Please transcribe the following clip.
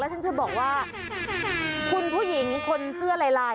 ฉันจะบอกว่าคุณผู้หญิงคนเสื้อลายลาย